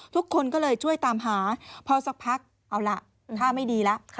ทุกคนก็เลยช่วยตามหาพอสักพักเอาล่ะท่าไม่ดีแล้ว